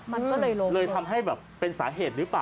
มันก็เลยเลยทำให้แบบเป็นสาเหตุหรือเปล่า